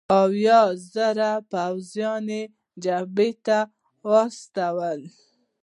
اویا زره پوځیان جبهو ته واستول.